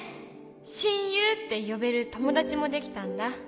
親友って呼べる友達もできたんだ」